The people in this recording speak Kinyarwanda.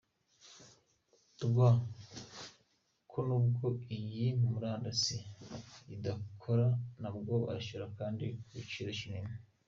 rw ko n’ubwo iyi murandasi idakora, nabo bashyura kandi ku giciro kinini.